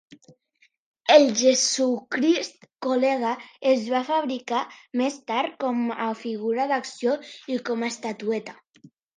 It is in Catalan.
El Jesucrist Col·lega es va fabricar més tard com a figura d'acció i com a estatueta.